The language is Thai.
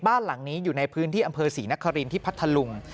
บ้านหลังนี้อยู่ในพื้นที่อำเภอศรีนครินที่พัทธลุง